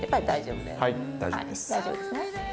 大丈夫ですね。